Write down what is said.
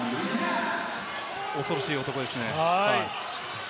恐ろしい男ですね。